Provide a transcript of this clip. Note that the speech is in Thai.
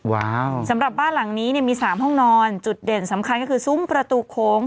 ว้าวสำหรับบ้านหลังนี้เนี่ยมี๓ห้องนอนจุดเด่นสำคัญก็คือซุ้มประตูโค้ง